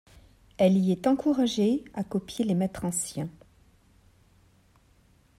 Elle y est encouragée à copier les maîtres anciens.